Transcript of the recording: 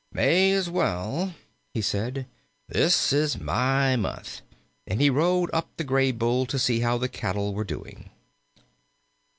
"May as well," he said; "this is my month"; and he rode up the Graybull to see how the cattle were doing.